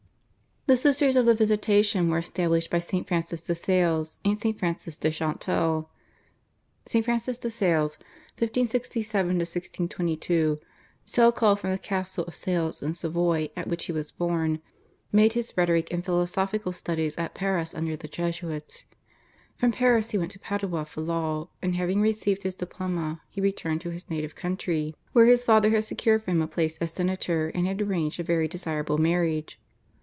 The Sisters of the Visitation were established by St. Francis de Sales and St. Frances de Chantal. St. Francis de Sales (1567 1622), so called from the castle of Sales in Savoy at which he was born, made his rhetoric and philosophical studies at Paris under the Jesuits. From Paris he went to Padua for law, and having received his diploma he returned to his native country, where his father had secured for him a place as senator and had arranged a very desirable marriage.